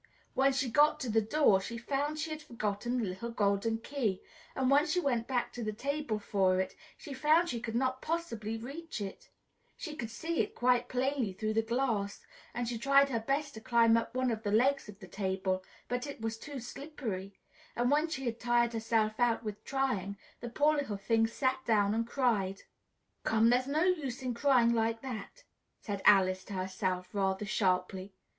When she got to the door, she found she had forgotten the little golden key, and when she went back to the table for it, she found she could not possibly reach it: she could see it quite plainly through the glass and she tried her best to climb up one of the legs of the table, but it was too slippery, and when she had tired herself out with trying, the poor little thing sat down and cried. "Come, there's no use in crying like that!" said Alice to herself rather sharply.